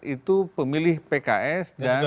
itu pemilih pks dan